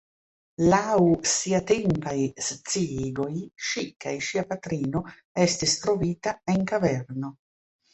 Laŭ siatempaj sciigoj, ŝi kaj ŝia patrino estis trovita en kaverno.